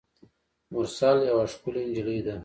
مرسل یوه ښکلي نجلۍ ده.